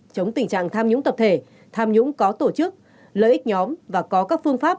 chống tình trạng tham nhũng tập thể tham nhũng có tổ chức lợi ích nhóm và có các phương pháp